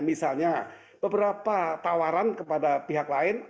misalnya beberapa tawaran kepada pihak lain